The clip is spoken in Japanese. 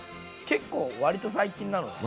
結構わりと最近なのね。